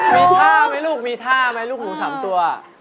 มีท่าไหมลูกมีท่าไหมลูกหมู๓ตัว